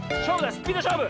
スピードしょうぶ！